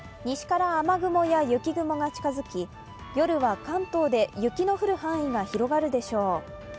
西から雨雲や雪雲が近づき夜は関東で雪の降る範囲が広がるでしょう。